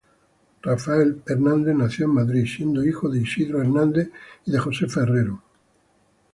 Rafael Hernández nació en Madrid, siendo hijo de Isidro Hernández y de Josefa Herrero.